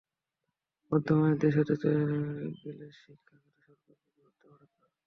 মধ্যম আয়ের দেশ হতে গেলে শিক্ষা খাতে সরকারকে বরাদ্দ বাড়াতে হবে।